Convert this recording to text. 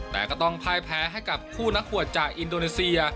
แต่ก็ต้องพ่ายแพ้ให้กับคู่นักหวดจากอินโดนีเซีย